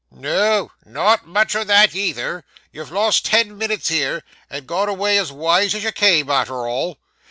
'No not much o' that either; you've lost ten minutes here, and gone away as wise as you came, arter all.